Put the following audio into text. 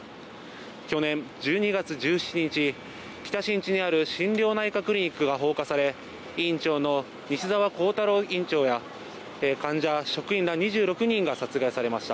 去年１２月１７日、北新地にある心療内科クリニックが放火され院長の西澤弘太郎院長や患者や職員２６人が殺害されました。